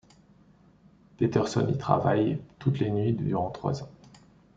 Peterson y travaille toutes les nuits durant trois ans.